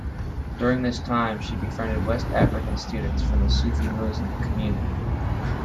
During this time, she befriended West African students from a Sufi Muslim community.